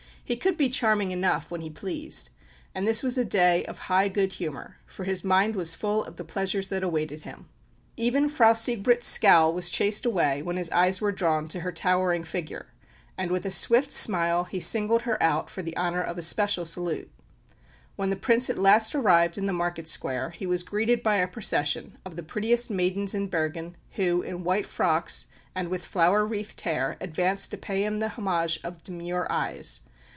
He could be charming enough when he pleased, and this was a day of high good humour; for his mind was full of the pleasure that awaited him. Even Frau Sigbrit's scowl was chased away when his eyes were drawn to her towering figure, and with a swift smile he singled her out for the honour of a special salute. When the Prince at last arrived in the market square, he was greeted by a procession of the prettiest maidens in Bergen who, in white frocks and with flower wreathed hair, advanced to pay him the homage of demure eyes.